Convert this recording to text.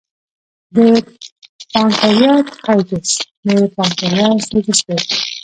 د پانکریاتایټس د پانکریاس سوزش دی.